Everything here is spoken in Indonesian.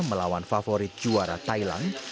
melawan favorit juara thailand